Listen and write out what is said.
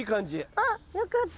あっよかった！